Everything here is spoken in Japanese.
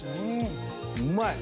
うまい！